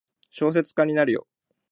小説家になるよ。